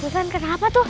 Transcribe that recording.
sultan kenapa tuh